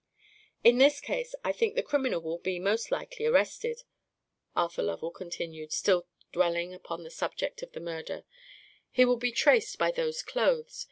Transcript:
"In this case I think the criminal will be most likely arrested," Arthur Lovell continued, still dwelling upon the subject of the murder; "he will be traced by those clothes.